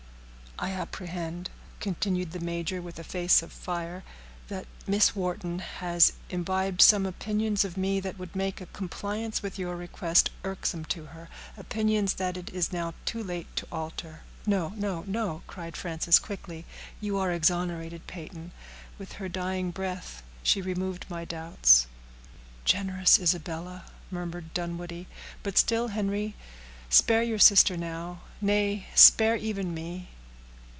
"I apprehend," continued the major, with a face of fire, "that Miss Wharton has imbibed some opinions of me that would make a compliance with your request irksome to her—opinions that it is now too late to alter." "No, no, no," cried Frances, quickly, "you are exonerated, Peyton—with her dying breath she removed my doubts." "Generous Isabella!" murmured Dunwoodie; "but, still, Henry, spare your sister now; nay, spare even me."